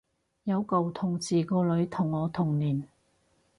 有舊同事個女同我同年